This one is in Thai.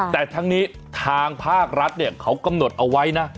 แต่ทั้งนี้ทางภาครัฐเขากำหนดเอาไว้นะ